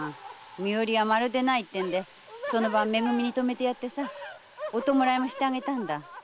身寄りはまるでないってんでその晩はめ組に泊めてやってお弔いもしてあげたんだ。